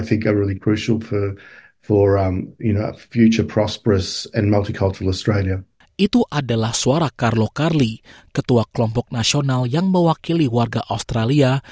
itu adalah suara carlo carly ketua kelompok nasional yang mewakili warga australia